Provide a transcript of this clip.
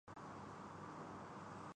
صرف ایک چیز کا فرق ہے، شخصیت کا۔